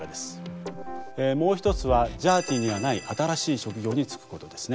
もう一つはジャーティにはない新しい職業に就くことですね。